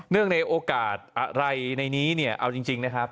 เนื่องในโอกาสอะไรในนี้เอาจริงนะครับ